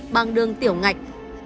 bằng đường tiểu ngạch